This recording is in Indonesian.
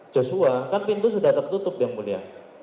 joshua kan pintu sudah tertutup yang mulia